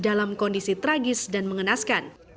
dalam kondisi tragis dan mengenaskan